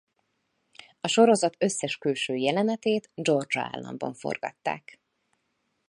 A sorozat összes külső jelenetét Georgia államban forgatták.